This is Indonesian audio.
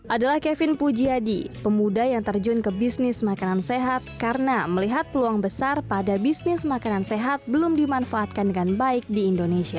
adalah kevin pujiadi pemuda yang terjun ke bisnis makanan sehat karena melihat peluang besar pada bisnis makanan sehat belum dimanfaatkan dengan baik di indonesia